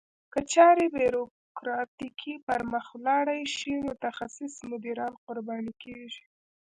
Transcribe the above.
که چارې بیوروکراتیکي پرمخ ولاړې شي متخصص مدیران قرباني کیږي.